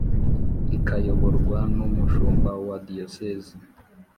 ikayoborwa n umushumba wa Diyosezi